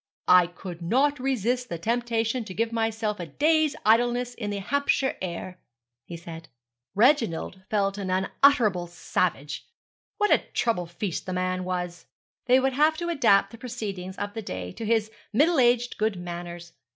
'I could not resist the temptation to give myself a day's idleness in the Hampshire air,' he said. Reginald felt unutterably savage. What a trouble feast the man was. They would have to adapt the proceedings of the day to his middle aged good manners.